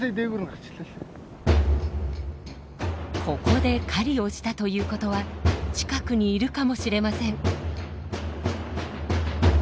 ここで狩りをしたということは近くにいるかもしれません。